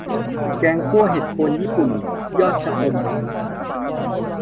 แกงคั่วเห็ดโคนญี่ปุ่นยอดชะอม